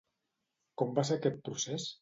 Com va ser aquest procés?